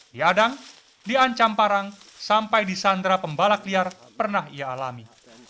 di adang di ancamparang sampai di sandra pembalak liar pernah ia alami